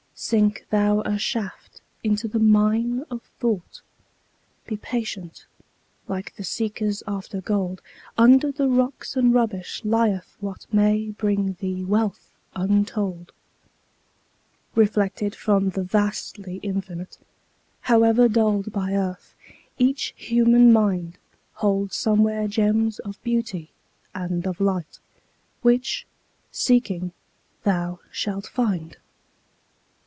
Sink thou a shaft into the mine of thought; Be patient, like the seekers after gold; Under the rocks and rubbish lieth what May bring thee wealth untold. Reflected from the vastly Infinite, However dulled by earth, each human mind Holds somewhere gems of beauty and of light Which, seeking, thou shalt find.